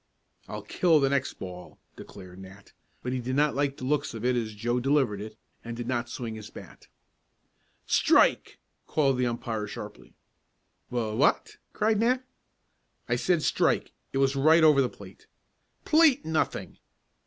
"I'll kill the next ball!" declared Nat, but he did not like the looks of it as Joe delivered it, and did not swing his bat. "Strike!" called the umpire sharply. "Wha what?" cried Nat. "I said strike. It was right over the plate." "Plate nothing!"